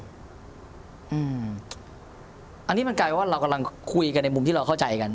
อันนี้มันกลายว่าเรากำลังคุยกันในมุมที่เราเข้าใจกัน